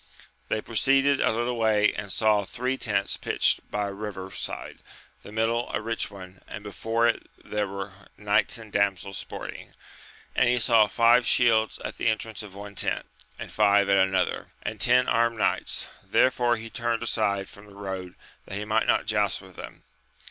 They proceeded a little way and saw three tents pitched by a river side, the middle a rich one, and before it there were knights and damsels sporting ; and he saw five shields at the entrance of one tent, and five at another, and ten armed knights, therefore he turned aside from the road that he might not joust with them.